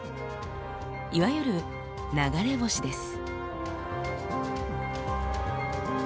いわゆる流れ星です。